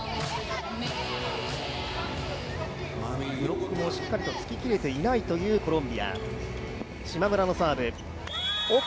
ブロックもしっかりとつききれていないというコロンビア。